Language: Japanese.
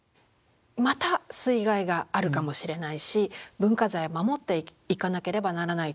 また水害があるかもしれないし文化財守っていかなければならない。